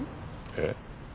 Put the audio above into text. えっ？